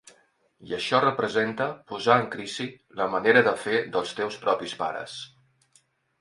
I això representa posar en crisi la manera de fer dels teus propis pares.